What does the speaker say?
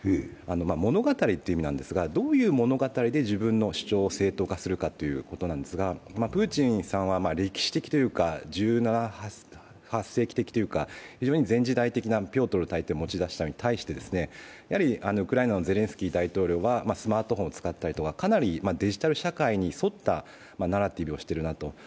物語という意味なんですが、どういう物語で自分の言葉を正当化するかということなんですがプーチンさんは歴史的というか、１７１８世紀的というか、非常に前時代的なピョートル大帝を持ち出したのに対してウクライナのゼレンスキー大統領はスマートフォンを使ったりかなりデジタル社会に沿ったナラティブをしているなと。